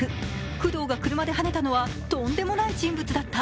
工藤が車ではねたのはとんでもない人物だった。